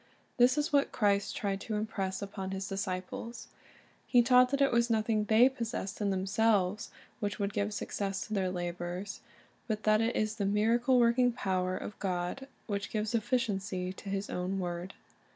This is what Christ tried to im press upon His dis ciples. He taught that it was nothing they possessed in themiselves which would give success to their labors, but that it is the miracle working power of God which gives ef ficiency to His own word.